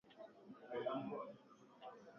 Ninachemsha maji, lakini halafu ninasahau mara moja.